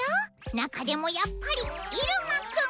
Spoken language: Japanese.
中でもやっぱりイルマくん！